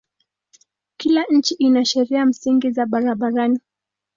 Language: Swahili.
Kila nchi ina sheria msingi za barabarani.